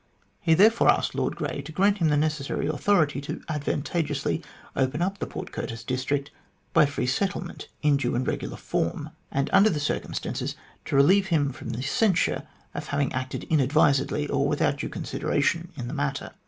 He therefore asked Lord Grey to grant him the necessary authority to advantageously open up the Port Curtis district by free settlement in due and regular form, and under the circumstances to relieve him from the censure of having acted inadvisedly or without due consideration in the matter.